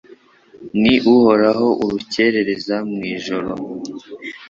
ni Uhoraho Urukerereza mu ijuru